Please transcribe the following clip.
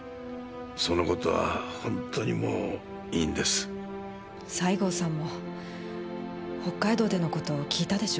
そのことは本当にも西郷さんも北海道でのこと聞いたでしょ？